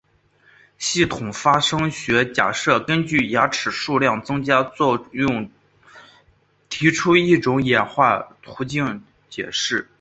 系统发生学假设根据牙齿数量增加的作用提出一种演化途径解释。